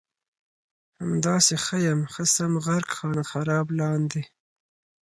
همداسې ښه یم ښه سم غرق خانه خراب لاندې